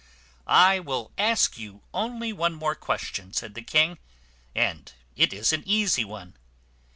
"I will ask you only one more question," said the king, "and it is an easy one."